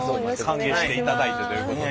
歓迎していただいてということで。